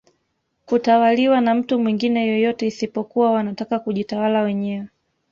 Kutawaliwa na mtu mwingine yoyote isipokuwa wanataka kujitawala wenyewe